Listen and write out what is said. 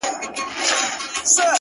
• بېلوبېلو بادارانوته رسیږي ,